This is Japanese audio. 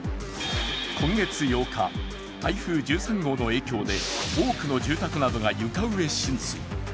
今月８日、台風１３号の影響で多くの住宅などが床上浸水。